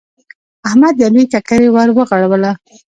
احمد د علي ککرۍ ور ورغړوله.